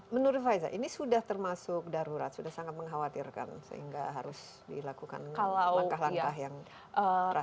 menurut faiza ini sudah termasuk darurat sudah sangat mengkhawatirkan sehingga harus dilakukan langkah langkah yang terasa